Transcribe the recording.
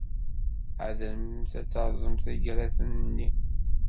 Ḥadremt ad terrẓemt igraten-nni.